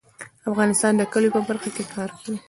افغانستان د کلیو په برخه کې کار کوي.